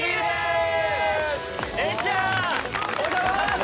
・おはようございます。